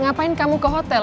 ngapain kamu ke hotel